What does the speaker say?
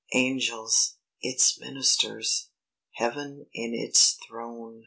Angels, its ministers! Heaven is its throne!